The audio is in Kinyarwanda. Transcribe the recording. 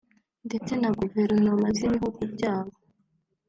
ndetse na Guverinoma z’ibihugu byabo